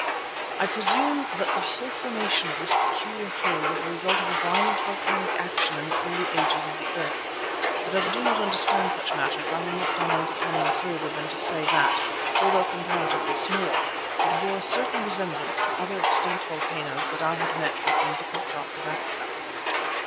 I presume that the whole formation of this peculiar hill was the result of a violent volcanic action in the early ages of the earth. But as I do not understand such matters I will not dilate upon them further than to say that, although comparatively small, it bore a certain resemblance to other extinct volcanoes which I had met with in different parts of Africa.